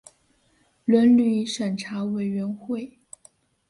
伦理审查委员会